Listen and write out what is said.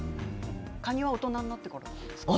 カニは大人になってからですか？